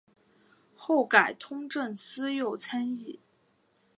后改通政司右参议。